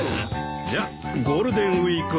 じゃあゴールデンウィーク明けに。